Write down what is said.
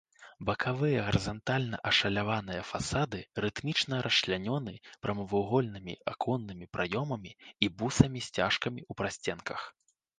Бакавыя гарызантальна ашаляваныя фасады рытмічна расчлянёны прамавугольнымі аконнымі праёмамі і бусамі-сцяжкамі ў прасценках.